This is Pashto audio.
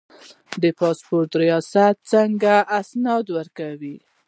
د پاسپورت ریاست څنګه اسناد ورکوي؟